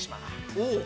おっ。